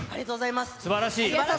すばらしい。